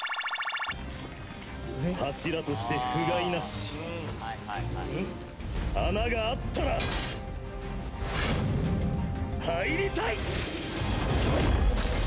「柱としてふがいなし」「穴があったら入りたい！」